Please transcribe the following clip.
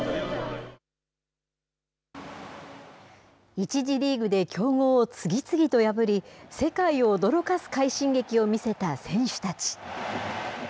１次リーグで強豪を次々と破り、世界を驚かす快進撃を見せた選手たち。